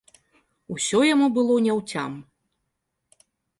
Усё яму было няўцям.